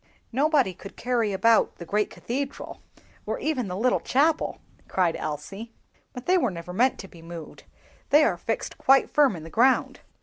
"Nobody could carry about the great cathedral, or even the little chapel!" cried Elsie; "but they were never meant to be moved, they are fixed quite firm in the ground."